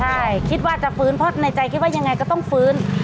ใช่คิดว่าจะฟื้นเพราะในใจคิดว่ายังไงก็ต้องฟื้น